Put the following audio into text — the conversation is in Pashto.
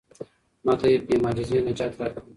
ما ته بې معجزې نجات راکړه.